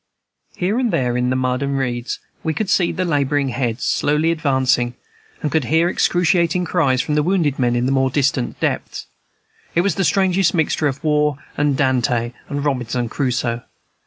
Here and there in the mud and reeds we could see the laboring heads, slowly advancing, and could hear excruciating cries from wounded men in the more distant depths. It was the strangest mixture of war and Dante and Robinson Crusoe.